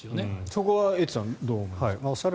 そこはエイトさんどう思いますか。